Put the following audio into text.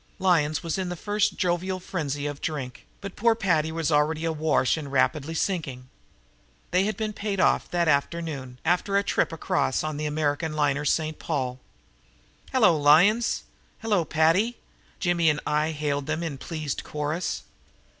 Lyons was in the first jovial frenzy of drink but poor Paddy was already awash and rapidly sinking. They had been paid off that afternoon after a trip across on the American liner St. Paul. "Hello, Lyons! Hello, Paddy!" Jimmy and I hailed them in pleased chorus.